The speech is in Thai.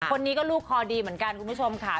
คนนี้ก็ลูกคอดีเหมือนกันคุณผู้ชมค่ะ